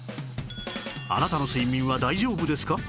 あなたの睡眠は大丈夫ですか？